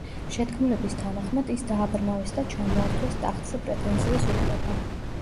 შეთქმულების თანახმად, ის დააბრმავეს და ჩამოართვეს ტახტზე პრეტენზიის უფლება.